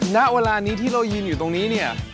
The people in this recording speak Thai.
ณเวลานี้ที่เรายืนอยู่ตรงนี้เนี่ย